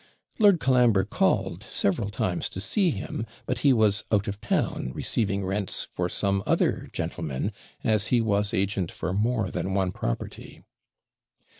Lord Colambre called several times to see him, but he was out of town, receiving rents for some other gentlemen, as he was agent for more than one property.